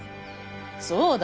そうだ！